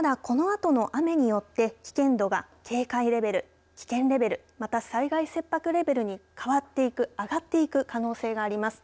ただ、このあとの雨によって危険度が警戒レベル、危険レベルまた災害切迫レベルに変わっていく上がっていく可能性があります。